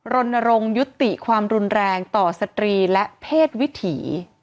รณรงค์ยุติความรุนแรงต่อสตรีและเพศวิถี